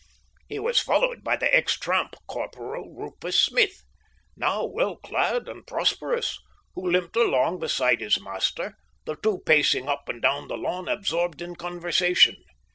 He was followed by the ex tramp, Corporal Rufus Smith, now well clad and prosperous, who limped along beside his master, the two pacing up and down the lawn absorbed in conversation.